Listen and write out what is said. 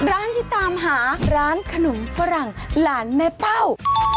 ร้านที่ตามหาร้านขนมฝรั่งหลานแม่เป้า